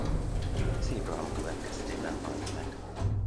Szívroham következtében halt meg.